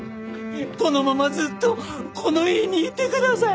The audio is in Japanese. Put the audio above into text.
このままずっとこの家にいてください。